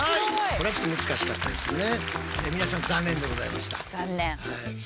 これはちょっと難しかったですね。